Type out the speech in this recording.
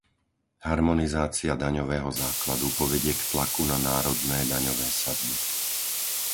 Harmonizácia daňového základu povedie k tlaku na národné daňové sadzby.